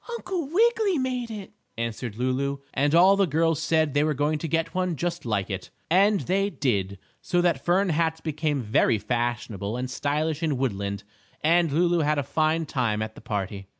"Uncle Wiggily made it," answered Lulu, and all the girls said they were going to get one just like it. And they did, so that fern hats became very fashionable and stylish in Woodland, and Lulu had a fine time at the party.